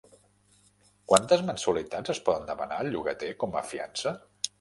Quantes mensualitats es poden demanar al llogater com a fiança?